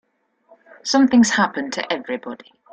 Something's happened to everybody.